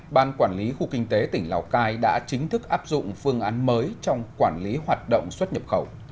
ban quản lý khu kinh tế tỉnh lào cai đã chính thức áp dụng phương án mới trong quản lý hoạt động xuất nhập khẩu